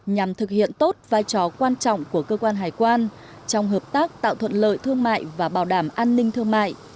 nhằm thực hiện tốt vai trò quan trọng của cơ quan hải quan trong hợp tác tạo thuận lợi thương mại và bảo đảm an ninh thương mại